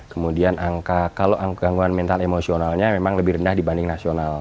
kemudian angka kalau gangguan mental emosionalnya memang lebih rendah dibanding nasional